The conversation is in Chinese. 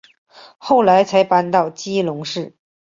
后来才搬到基隆市。